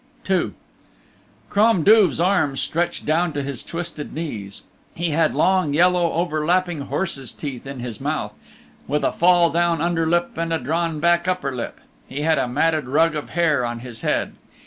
II Crom Duv's arms stretched down to his twisted knees; he had long, yellow, overlapping horse's teeth in his mouth, with a fall down under lip and a drawn back upper lip; he had a matted rug of hair on his head.